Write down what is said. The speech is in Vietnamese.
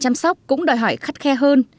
các đơn vị thu mua cũng đòi hỏi khắt khe hơn